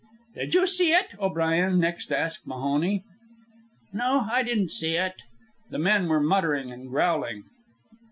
"Did you see ut?" O'Brien next asked Mahoney. "No, I didn't see ut." The men were muttering and growling.